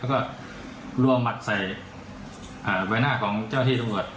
แล้วก็รวมหมัดใส่ใบหน้าของเจ้าที่ตำรวจ